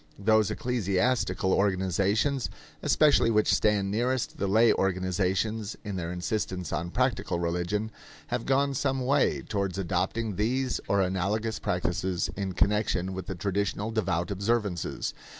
Those ecclesiastical organizations especially which stand nearest the lay organizations in their insistence on practical religion have gone some way towards adopting these or analogous practices in connection with the traditional devout observances.